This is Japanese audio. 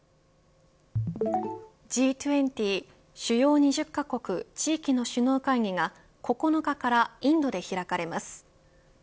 Ｇ２０＝主要２０カ国地域の首脳会議が９日からインドで開かれます。